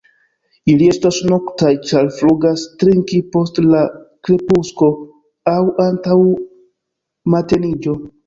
Ili estas noktaj, ĉar flugas trinki post la krepusko aŭ antaŭ mateniĝo.